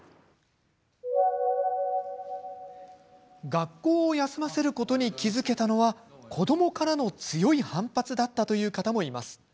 学校を休ませることに気付けたのは、子どもからの強い反発だっという方もいます。